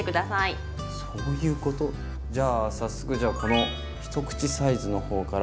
じゃあ早速じゃこの一口サイズの方から。